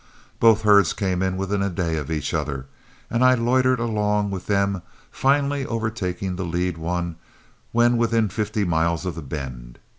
Both herds came in within a day of each other, and I loitered along with them, finally overtaking the lead one when within fifty miles of The Bend.